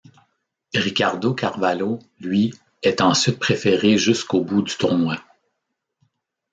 Ricardo Carvalho lui est ensuite préféré jusqu'au bout du tournoi.